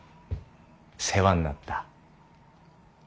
世話になった。